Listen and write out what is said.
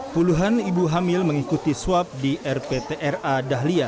puluhan ibu hamil mengikuti swab di rptra dahlia